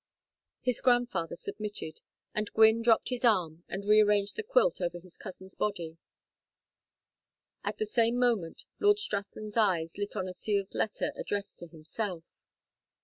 His grandfather submitted, and Gwynne dropped his arm and rearranged the quilt over his cousin's body. At the same moment Lord Strathland's eyes lit on a sealed letter addressed to himself.